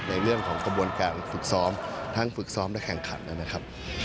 ในเรื่องของกระบวนการฝึกซ้อมทั้งฝึกซ้อมและแข่งขันนะครับ